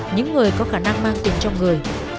những người có khả năng mang tiền trong người